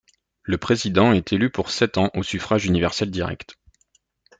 Le président est élu pour sept ans au suffrage universel direct.